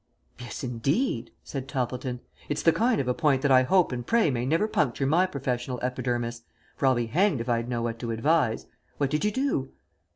"Yes, indeed!" said Toppleton; "it's the kind of a point that I hope and pray may never puncture my professional epidermis, for I'll be hanged if I'd know what to advise. What did you do?"